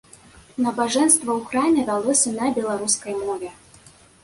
Набажэнства ў храме вялося на беларускай мове.